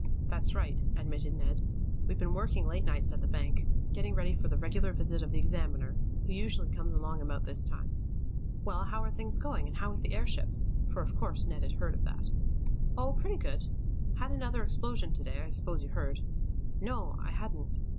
"That's right," admitted Ned. "We've been working late nights at the bank. Getting ready for the regular visit of the examiner, who usually comes along about this time. Well, how are things going; and how is the airship?" for, of course, Ned had heard of that. "Oh, pretty good. Had another explosion to day, I s'pose you heard." "No, I hadn't."